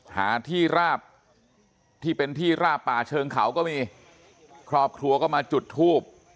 หาที่ราบที่เป็นที่ราบป่าเชิงเขาก็มีครอบครัวก็มาจุดทูบ